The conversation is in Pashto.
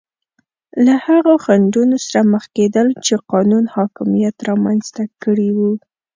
له هغو خنډونو سره مخ کېدل چې قانون حاکمیت رامنځته کړي وو.